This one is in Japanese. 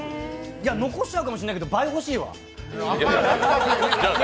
残しちゃうかもしれないけど倍、欲しいわ。